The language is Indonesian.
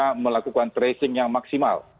dan melakukan tracing yang maksimal